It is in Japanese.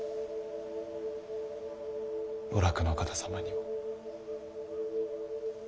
お楽の方様にも。